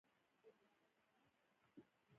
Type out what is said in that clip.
دې تګلارې د کروندګر انګېزه له منځه یووړه.